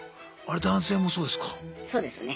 あれ男性もそうですか？